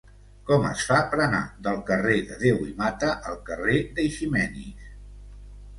Com es fa per anar del carrer de Deu i Mata al carrer d'Eiximenis?